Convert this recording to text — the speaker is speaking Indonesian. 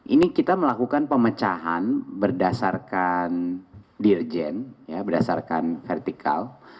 ini kita melakukan pemecahan berdasarkan dirjen berdasarkan vertikal